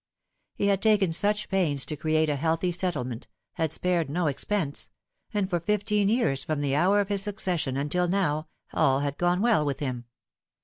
He had taken such pains to create a healthy settlement, had spared no expense ; and for fifteen years, from the hour of his succession until now, all had gone well with him.